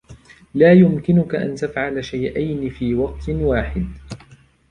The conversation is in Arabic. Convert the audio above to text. لا يمكنك أن تفعل شيئين في وقت واحد.